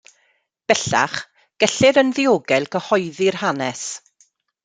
Bellach, gellir yn ddiogel gyhoeddi'r hanes.